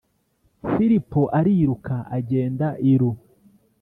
Filipo ariruka agenda iru